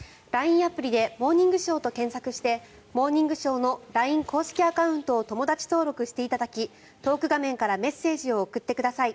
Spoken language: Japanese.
アプリで「モーニングショー」と検索をして「モーニングショー」のＬＩＮＥ公式アカウントを友だち登録していただきトーク画面からメッセージを送ってください。